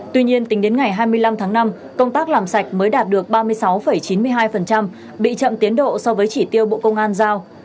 tuy nhiên tính đến ngày hai mươi năm tháng năm công tác làm sạch mới đạt được ba mươi sáu chín mươi hai bị chậm tiến độ so với chỉ tiêu bộ công an giao